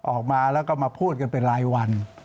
ออกมาแล้วก็มาพูดกันเป็นรายวัน